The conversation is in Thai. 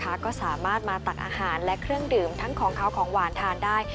ก็สามารถมาตักอาหารและเครื่องดื่มทั้งของเขาของหวานทานได้